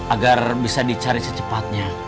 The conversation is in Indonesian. agar bisa dicari secepatnya